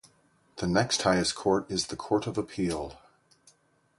The next highest Court is the Court of Appeal.